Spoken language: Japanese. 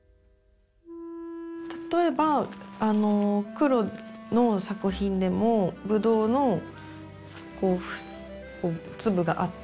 例えばあの黒の作品でもブドウのこう粒があって。